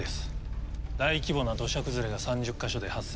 大規模な土砂崩れが３０か所で発生。